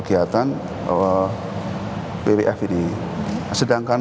nah ini agak agak menonjolade orang orang untuk menialai kerjaan laut ini